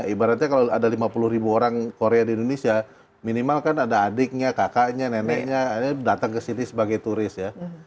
ibaratnya kalau ada lima puluh ribu orang korea di indonesia minimal kan ada adiknya kakaknya neneknya datang ke sini sebagai turis ya